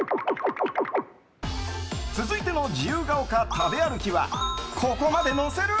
続いての自由が丘食べ歩きはここまでのせる？